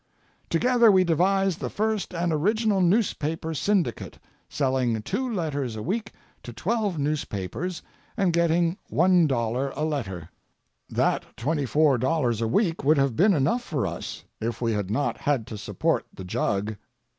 Together we devised the first and original newspaper syndicate, selling two letters a week to twelve newspapers and getting $1 a letter. That $24 a week would have been enough for us—if we had not had to support the jug.